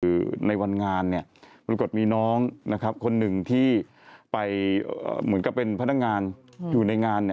คือในวันงานปรากฏมีน้องคนหนึ่งที่เป็นพนักงานอยู่ในงาน